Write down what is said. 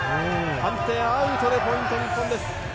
判定はアウトでポイント、日本です。